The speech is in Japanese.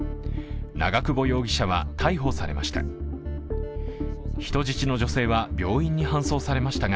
長久保容疑者は逮捕されました。